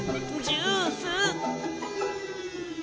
ジュース！